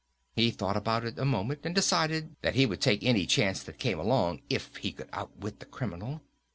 He thought about it a moment and decided that he would take any chance that came along, if he could outwit the criminal.